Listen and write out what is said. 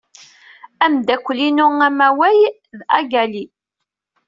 Ameddakel-inu amaway d Agali.